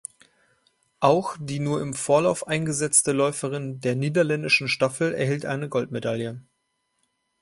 Auch die nur im Vorlauf eingesetzte Läuferin der niederländischen Staffel erhielt eine Goldmedaille.